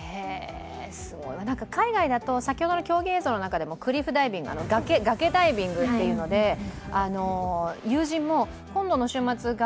すごい、海外だと先ほどの競技映像の中でも、クリフダイビング、崖ダイビングというので友人も今度の週末崖